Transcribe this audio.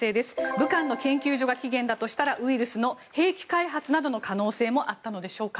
武漢の研究所が起源だとしたらウイルスの兵器開発などの可能性もあったのでしょうか。